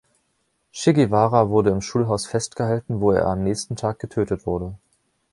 Che Guevara wurde im Schulhaus festgehalten, wo er am nächsten Tag getötet wurde.